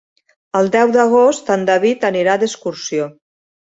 El deu d'agost en David anirà d'excursió.